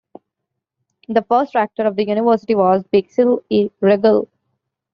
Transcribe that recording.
The first rector of the university was Basil E. Regel.